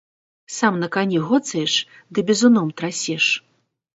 Сам на кані гоцаеш ды бізуном трасеш.